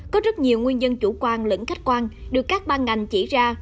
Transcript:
có rất nhiều nguyên nhân chủ quan lẫn khách quan được các ban ngành chỉ ra